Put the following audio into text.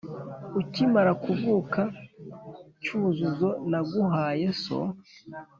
Ukimara kuvuka Cyuzuzo naguhaye so